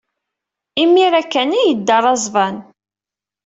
Imir-a kan ay yedda Razvan.